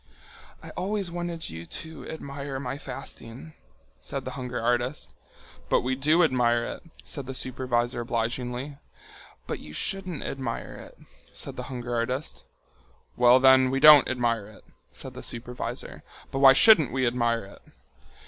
"I always wanted you to admire my fasting," said the hunger artist. "But we do admire it," said the supervisor obligingly. "But you shouldn't admire it," said the hunger artist. "Well then, we don't admire it," said the supervisor, "but why shouldn't we admire it?"